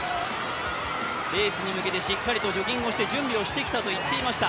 レースに向けてしっかりとジョギングをして準備をしてきたと言っていました。